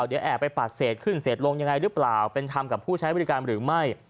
เดี๋ยวแอบไปปากเศษขึ้นเศษลงยังไงหรือเปล่าเป็นธรรมกับผู้ใช้บริการหรือไม่